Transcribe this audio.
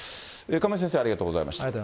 亀井先生、ありがとうございました。